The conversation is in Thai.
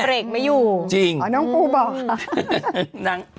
เบรกไม่อยู่จริงอ๋อน้องปูบอกค่ะ